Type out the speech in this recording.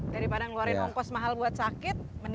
daripada ngeluarin ongkos mahal buat sakit mending sehat